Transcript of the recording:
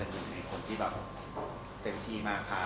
พาเราไปหลายที่ดูจนเรารู้สึกว่าเราชอบที่นี่ครับ